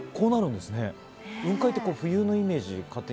雲海って冬のイメージ。